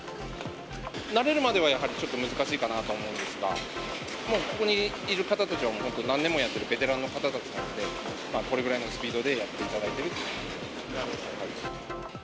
慣れるまではやはりちょっと難しいかなと思うんですが、もうここにいる方たちは本当、何年もやってるベテランの方たちなので、これぐらいのスピードでやっていただいてるということです。